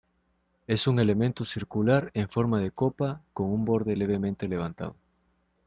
Es un elemento circular en forma de copa con un borde levemente levantado.